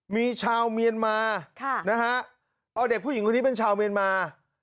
มีชาวเมียนมานะฮะเอาเด็กผู้หญิงคนนี้เป็นชาวเมียนมา